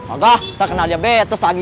oh kak tak kenal dia betes lagi